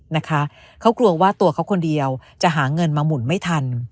นะคะเขากลัวว่าตัวเขาคนเดียวจะหาเงินมาหมุนไม่ทัน